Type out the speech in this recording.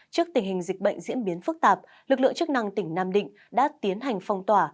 trước tình hình dịch bệnh diễn biến phức tạp lực lượng chức năng tỉnh nam định đã tiến hành phong tỏa